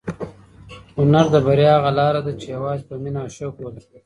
هنر د بریا هغه لاره ده چې یوازې په مینه او شوق وهل کېږي.